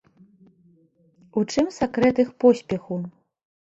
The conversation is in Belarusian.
У чым сакрэт іх поспеху?